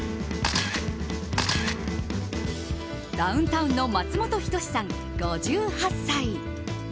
ダウンタウンの松本人志さん、５８歳。